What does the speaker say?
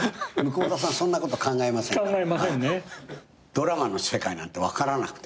ドラマの世界なんて分からなくて。